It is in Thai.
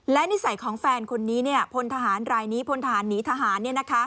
และนิสัยของแฟนคนนี้พลทหารรายนี้พลทหารหนีทหาร